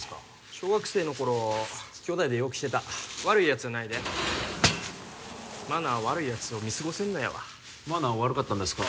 小学生の頃兄弟でよく来てた悪いやつやないでマナー悪いやつを見過ごせんのやわマナー悪かったんですか？